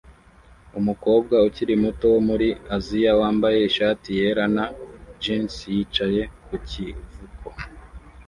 Umukobwa ukiri muto wo muri Aziya wambaye ishati yera na jans yicaye ku kivuko